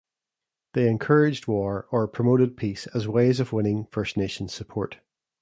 They encouraged war or promoted peace as ways of winning First Nations support.